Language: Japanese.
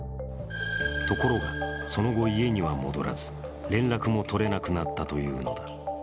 ところが、その後、家には戻らず、連絡もとれなくなったというのだ。